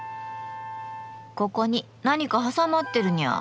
ここに何か挟まってるニャー。